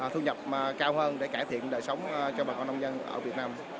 thu nhập cao hơn để cải thiện đời sống cho bà con nông dân ở việt nam